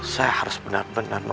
sekarang dia melihat ke caranya